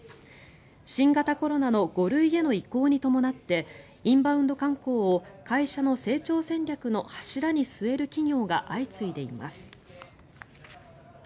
新型コロナの５類への移行に伴ってインバウンド観光を会社の成長戦略の柱に据える企業が相次いでいます。